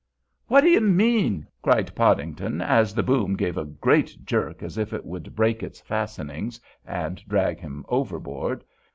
"What do you mean?" cried Podington, as the boom gave a great jerk as if it would break its fastenings and drag him overboard.